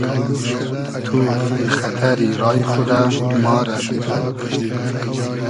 تو خئتئری رای خو رۂ ما رۂ بیدی